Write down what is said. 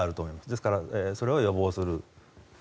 ですから、それを予防する。